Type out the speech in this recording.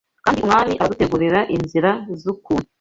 kandi Umwami aradutegurira inzira z’ukuntu